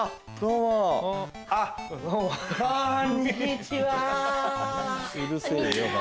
こんにちは！